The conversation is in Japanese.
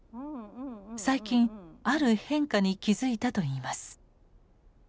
最近ある変化に気付いたといいます。